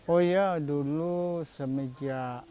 oh iya dulu semenjak